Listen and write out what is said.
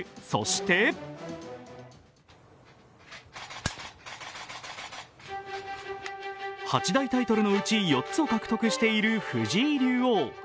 そして８大タイトルのうち４つを獲得している藤井竜王。